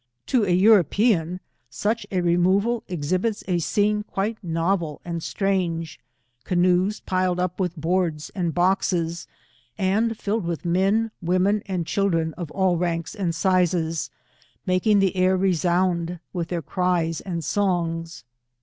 To an European, such a removal exhi bits a jcene quite novel and strange : canoes piled up with boards and boxes, and filled with men, women and children, of all ranks and sizes, making the air resound with their cries and songs.